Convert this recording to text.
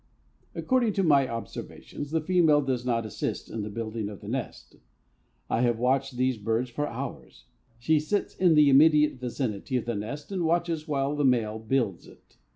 According to my observations the female does not assist in the building of the nest. I have watched these birds for hours. She sits in the immediate vicinity of the nest and watches while the male builds it.